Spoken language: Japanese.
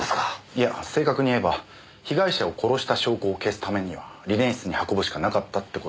いや正確に言えば被害者を殺した証拠を消すためにはリネン室に運ぶしかなかったって事ですよ。